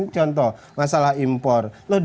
contoh masalah impor